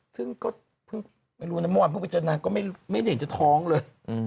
ซึ่งก็เพิ่งไม่รู้นะเมื่อวานเพิ่งไปเจอนางก็ไม่เห็นจะท้องเลย